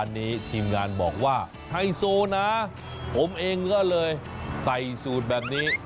อันนี้ทีมงานบอกว่าไฮโซนะผมเองก็เลยใส่สูตรแบบนี้